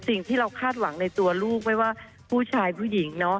สิ่งที่เราคาดหวังในตัวลูกไม่ว่าผู้ชายผู้หญิง